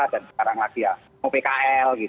dan sekarang lagi ya opkl